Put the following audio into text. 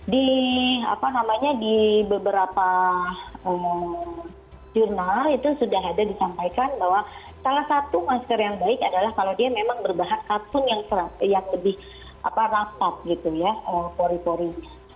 di apa namanya di beberapa jurnal itu sudah ada disampaikan bahwa salah satu masker yang baik adalah kalau dia memang berbahan akun yang lebih rapat gitu ya pori porinya